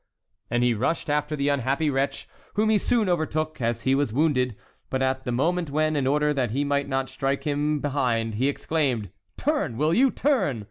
And he rushed after the unhappy wretch, whom he soon overtook, as he was wounded; but at the moment when, in order that he might not strike him behind, he exclaimed, "Turn, will you! turn!"